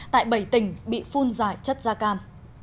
tại bảy tỉnh bị phun giải chất da cam